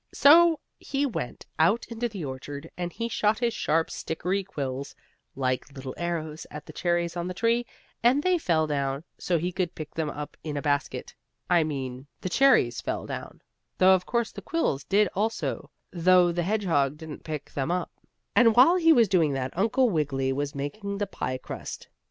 So he went out in the orchard, and he shot his sharp stickery quills, like little arrows at the cherries on the tree, and they fell down, so he could pick them up in a basket. I mean the cherries fell down, though of course the quills did also though the hedgehog didn't pick them up. And while he was doing that Uncle Wiggily was making the pie crust.